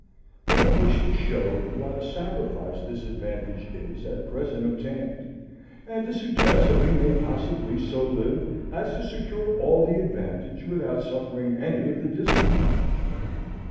But I wish to show at what a sacrifice this advantage is at present obtained, and to suggest that we may possibly so live as to secure all the advantage without suffering any of the disadvantage.